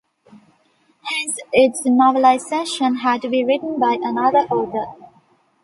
Hence its novelization had to be written by another author.